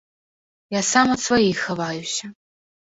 Я сам ад сваіх хаваюся.